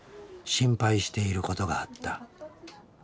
心配していることがあった。